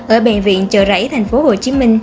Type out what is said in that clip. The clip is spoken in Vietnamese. ở bệnh viện chợ rẫy tp hcm